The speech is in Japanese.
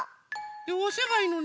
でおせばいいのね？